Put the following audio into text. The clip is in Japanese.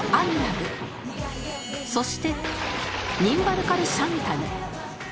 そしてニンバルカル・シャンタヌ